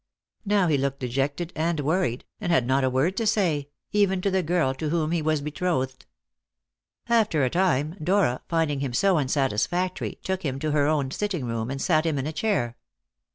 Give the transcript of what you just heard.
Now he looked dejected and worried, and had not a word to say, even to the girl to whom he was betrothed. After a time Dora, finding him so unsatisfactory, took him to her own sitting room, and sat him in a chair.